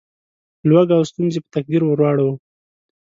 لوږه او ستونزې په تقدیر وراړوو.